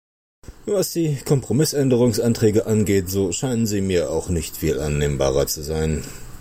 Was die Kompromissänderungsanträge angeht, so scheinen sie mir auch nicht viel annehmbarer zu sein.